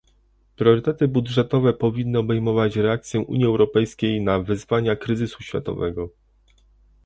Priorytety budżetowe powinny obejmować reakcję Unii Europejskiej na wyzwania kryzysu światowego